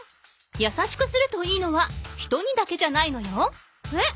やさしくするといいのは人にだけじゃないのよ。えっ。